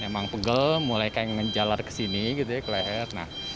emang pegal mulai kayak ngejalar kesini gitu ya ke leher